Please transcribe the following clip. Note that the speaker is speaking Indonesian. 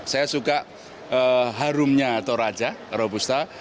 saya suka harumnya toraja robusta